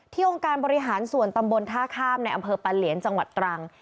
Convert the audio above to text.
องค์การบริหารส่วนตำบลท่าข้ามในอำเภอปะเหลียนจังหวัดตรัง